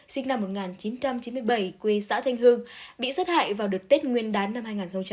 sinh năm một nghìn chín trăm chín mươi bảy quê xã thanh hương bị sát hại vào đợt tết nguyên đán năm hai nghìn một mươi chín